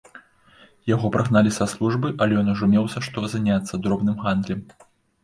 Яго прагналі са службы, але ён ужо меў за што заняцца дробным гандлем.